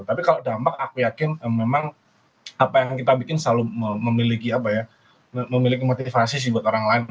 tapi kalau dampak aku yakin memang apa yang kita bikin selalu memiliki apa ya memiliki motivasi sih buat orang lain